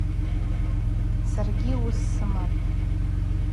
Саргьи уыс сымапӏ.